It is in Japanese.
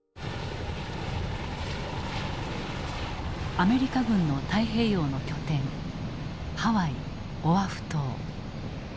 アメリカ軍の太平洋の拠点ハワイ・オアフ島。